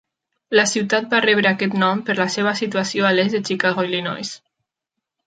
La ciutat va rebre aquest nom per la seva situació a l'est de Chicago, Illinois.